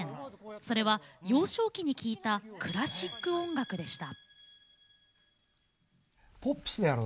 それは、幼少期に聴いたクラシック音楽でした。